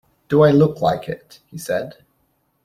‘Do I look like it?’ he said.